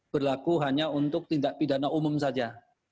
berlaku hanya untuk tindak pidana umum saja